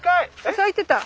咲いてた！